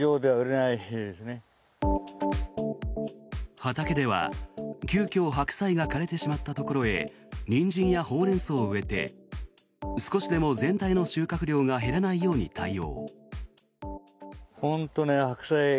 畑では急きょ白菜が枯れてしまったところへニンジンやホウレンソウを植えて少しでも全体の収穫量が減らないように対応。